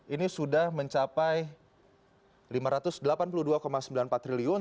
ini sudah mencapai rp lima ratus delapan puluh dua sembilan puluh empat triliun